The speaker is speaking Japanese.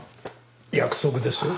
約束ですよ。